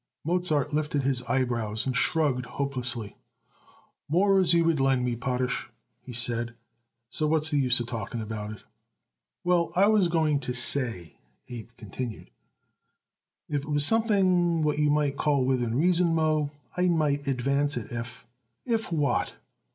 Mozart lifted his eyebrows and shrugged hopelessly. "More as you would lend me, Potash," he said. "So what's the use talking about it?" "Well, I was going to say," Abe continued, "if it was something what you might call within reason, Moe, I might advance it if " "If what?"